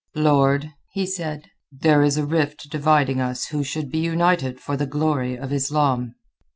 "Lord," he said, "there is a rift dividing us who should be united for the glory of Islam."